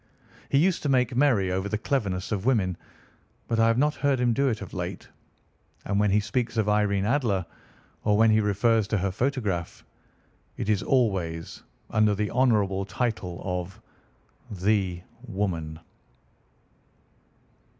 He used to make merry over the cleverness of women, but I have not heard him do it of late. And when he speaks of Irene Adler, or when he refers to her photograph, it is always under the honourable title of the woman.